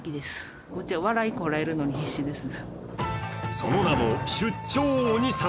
その名も出張鬼さん。